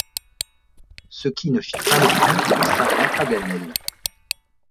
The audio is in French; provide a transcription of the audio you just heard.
Ce qui ne fit pas le compte du savant Paganel.